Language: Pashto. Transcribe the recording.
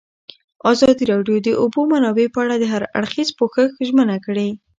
ازادي راډیو د د اوبو منابع په اړه د هر اړخیز پوښښ ژمنه کړې.